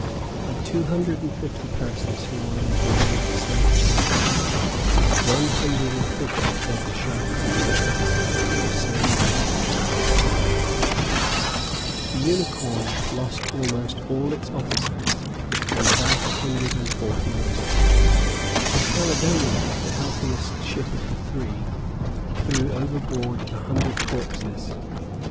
Of two hundred and fifty persons who were on board of the Saint Andrew, one hundred and fifty fed the sharks of the Atlantic before Sandy Hook was in sight. The Unicorn lost almost all its officers, and about a hundred and forty men. The Caledonia, the healthiest ship of the three, threw overboard a hundred corpses.